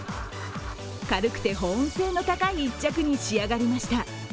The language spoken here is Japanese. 軽くて保温性の高い１着に仕上がりました。